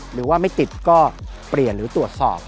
หรือว่าไม่ติดก็เปลี่ยนหรือตรวจสอบ